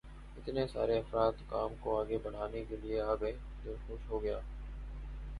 اتنے سارے افراد کام کو آگے بڑھانے کے لیے آ گئے، دل خوش ہو گیا۔